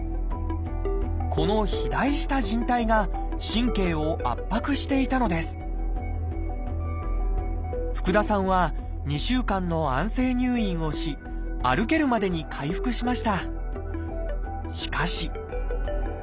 この肥大したじん帯が神経を圧迫していたのです福田さんは２週間の安静入院をし歩けるまでに回復しました。